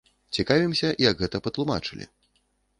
Цікавімся, як гэта патлумачылі.